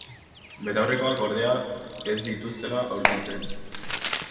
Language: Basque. Betaurrekoak ordea ez dituztela aurkitzen.